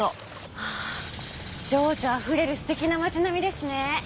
ああ情緒あふれる素敵な町並みですね。